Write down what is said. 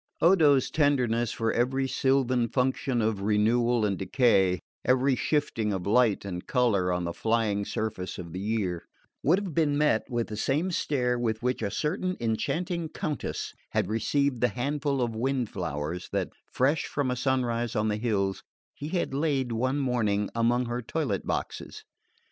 Odo's tenderness for every sylvan function of renewal and decay, every shifting of light and colour on the flying surface of the year, would have been met with the same stare with which a certain enchanting Countess had received the handful of wind flowers that, fresh from a sunrise on the hills, he had laid one morning among her toilet boxes.